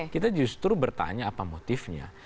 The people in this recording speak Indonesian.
kita justru bertanya apa motifnya